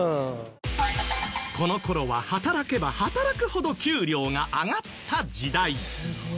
この頃は働けば働くほど給料が上がった時代。